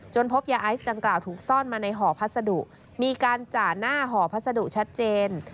พบยาไอซ์ดังกล่าวถูกซ่อนมาในห่อพัสดุมีการจ่าหน้าห่อพัสดุชัดเจน